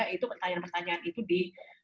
itu pertanyaan pertanyaan itu di